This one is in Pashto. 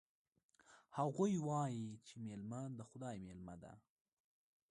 هغوی وایي چې میلمه د خدای مېلمه ده